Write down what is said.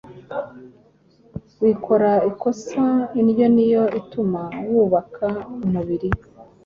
Wikora ikosa; indyo niyo ituma wubaka umubiri